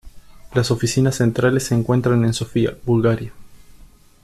Las oficinas centrales se encuentra en Sofía, Bulgaria.